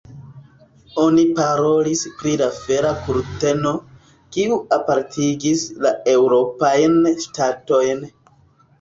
Oni parolis pri la fera kurteno, kiu apartigis la eŭropajn ŝtatojn.